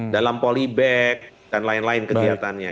dalam polybag dan lain lain kegiatannya